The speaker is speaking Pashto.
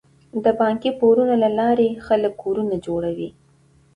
د بانکي پورونو له لارې خلک کورونه جوړوي.